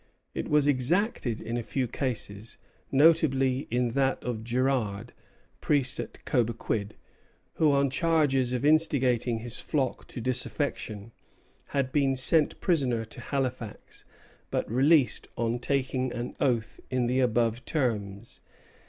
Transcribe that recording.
It was exacted in a few cases, notably in that of Girard, priest at Cobequid, who, on charges of instigating his flock to disaffection, had been sent prisoner to Halifax, but released on taking an oath in the above terms.